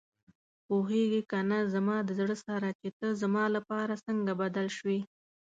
پوهېږې کنه زما د زړه سره چې ته زما لپاره څنګه بدل شوې.